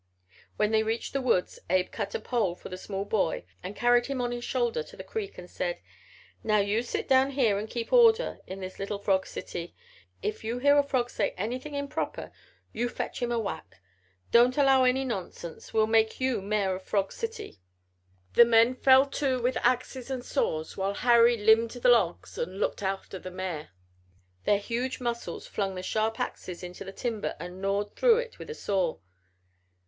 When they reached the woods Abe cut a pole for the small boy and carried him on his shoulder to the creek and said: "Now you sit down here and keep order in this little frog city. If you hear a frog say anything improper you fetch him a whack. Don't allow any nonsense. We'll make you Mayor of Frog City." The men fell to with axes and saws while Harry limbed the logs and looked after the Mayor. Their huge muscles flung the sharp axes into the timber and gnawed through it with a saw.